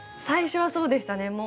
最初はそうでしたね。